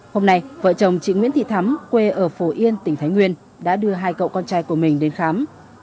hôm nay vợ chồng chị nguyễn thị thắm quê ở phổ yên tỉnh thái nguyên đã đưa hai cậu con trai của mình đến khám